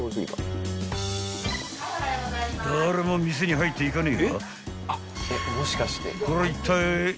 ［誰も店に入っていかねえが］